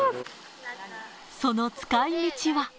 その使いみちは。